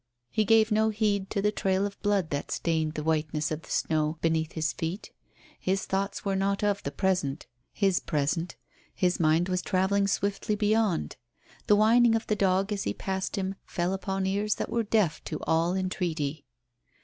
He gave no heed to the trail of blood that stained the whiteness of the snow beneath his feet; his thoughts were not of the present his present; his mind was travelling swiftly beyond. The whining of the dog as he passed him fell upon ears that were deaf to all entreaty.